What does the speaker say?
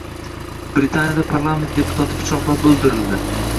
Britaniyada parlament deputati pichoqlab o‘ldirildi